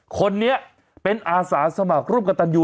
คนนี้เป็นอาสาสมัครรูปกตันอยู่